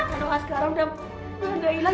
ya allah sekarang udah gak ilang